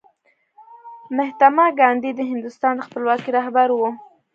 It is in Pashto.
مهاتما ګاندي د هندوستان د خپلواکۍ رهبر و.